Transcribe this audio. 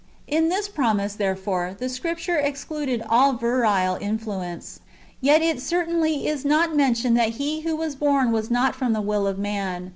In this promise, therefore, the Scripture excluded all virile influence ; yet it certainly is not mentioned that He who was born was not from the will of man.